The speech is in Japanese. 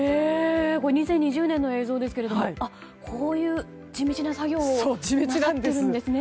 これは２０２０年の映像ですけどこういう地道な作業をなさっているんですね。